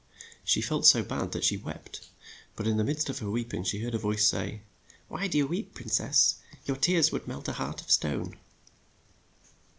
She felt so bad that she wept ; but in the midst of her weep ing she heard a voice say, "Why do you weep, Prin cess? Your tears would melt a heart of stone."